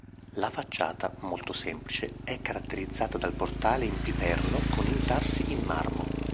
La facciata, molto semplice, è caratterizzata dal portale in piperno con intarsi in marmo.